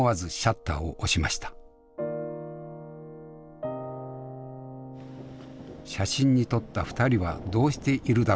写真に撮った２人はどうしているだろうか。